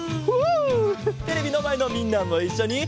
テレビのまえのみんなもいっしょに。